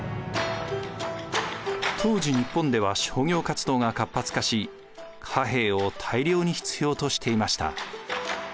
当時日本では商業活動が活発化し貨幣を大量に必要としていました。